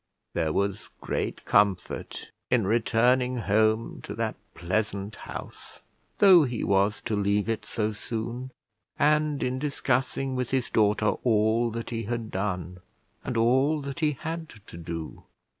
There was great comfort in returning home to that pleasant house, though he was to leave it so soon, and in discussing with his daughter all that he had done, and all that he had to do.